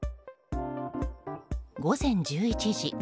午前１１時。